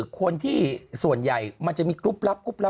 คนที่ส่วนใหญ่มันจะมีกรุ๊ปลับกรุ๊ปลับ